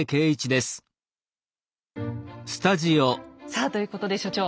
さあということで所長。